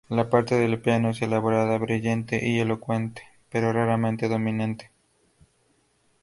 La parte del piano es elaborada, brillante y elocuente, pero raramente dominante.